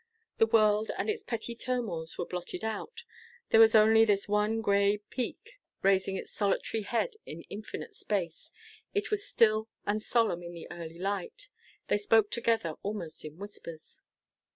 The world and its petty turmoils were blotted out. There was only this one gray peak raising its solitary head in infinite space. It was still and solemn in the early light. They spoke together almost in whispers.